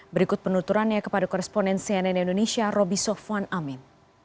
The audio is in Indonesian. berikut penuturannya kepada koresponen cnn indonesia roby sofwan amin